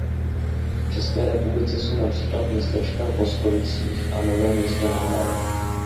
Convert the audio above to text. V České republice jsou například městečka v Boskovicích a Novém Městě na Moravě.